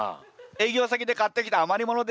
営業先で買ってきた余り物でしょうね。